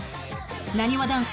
なにわ男子